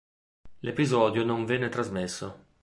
L'episodio non venne trasmesso.